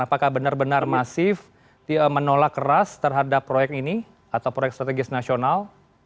apakah benar benar masif menolak keras terhadap proyek ini atau proyek strategis nasional